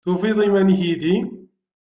Tufiḍ iman-ik yid-i?